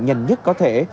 nhân nhất có thể